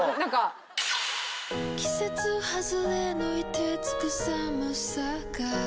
「季節はずれの凍てつく寒さが」